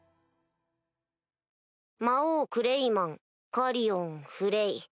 魔王クレイマンカリオンフレイ。